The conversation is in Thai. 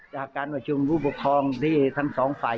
จากการประชุมผู้ปกครองที่ทั้งสองฝ่าย